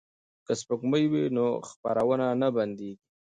که سپوږمکۍ وي نو خپرونه نه بندیږي.